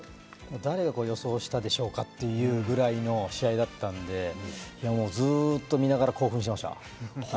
誰が予想したでしょうかっていうぐらいの試合だったんで、ずっと見ながら興奮してました。